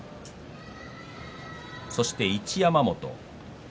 そして一山本。